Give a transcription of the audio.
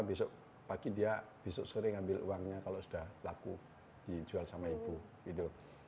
besok pagi dia besok sore ngambil uangnya kalau sudah laku dijual sama ibu gitu